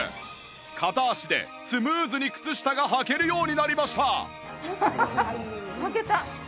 片足でスムーズに靴下がはけるようになりました